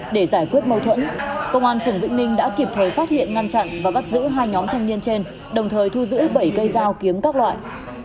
để giải quyết mâu thuẫn công an phường vĩnh ninh đã kịp thời phát hiện ngăn chặn và bắt giữ hai nhóm thanh niên trên đồng thời thu giữ bảy cây dao kiếm các loại